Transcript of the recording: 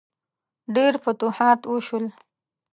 ډیر فتوحات وشول.